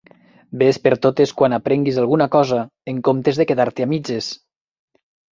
Ves per totes quan aprenguis alguna cosa, en comptes de quedar-te a mitges.